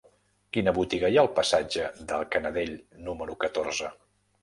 Quina botiga hi ha al passatge de Canadell número catorze?